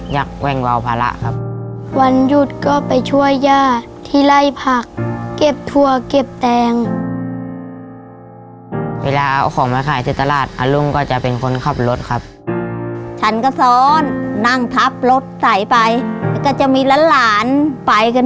รถใส่ไปแล้วก็จะมีร้านหลานไปกันหมดอันนั้นเนี่ย